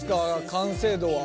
完成度は。